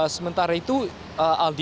sementara itu aldi